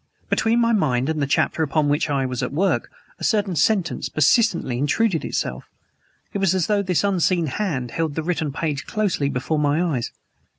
Between my mind and the chapter upon which I was at work a certain sentence persistently intruded itself. It was as though an unseen hand held the written page closely before my eyes.